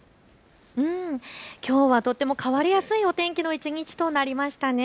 きょうはとても変わりやすいお天気の一日となりましたね。